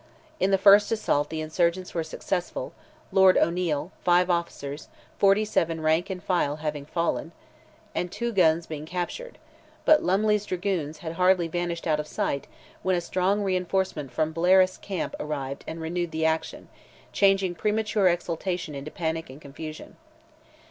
In the first assault the insurgents were successful, Lord O'Neil, five officers, forty seven rank and file having fallen, and two guns being captured; but Lumley's dragoons had hardly vanished out of sight, when a strong reinforcement from Blaris camp arrived and renewed the action, changing premature exultation into panic and confusion.